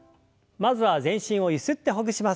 まずは全身をゆすってほぐします。